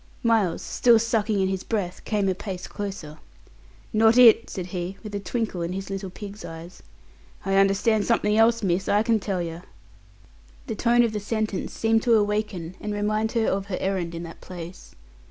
Miles still sucking in his breath came a pace closer. "Not it," said he, with a twinkle in his little pig's eyes. "I understand something else, miss, I can tell yer." The tone of the sentence seemed to awaken and remind her of her errand in that place.